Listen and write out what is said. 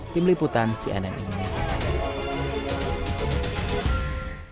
tim liputan cnn indonesia